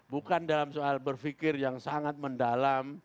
bukan dalam soal berpikir yang sangat mendalam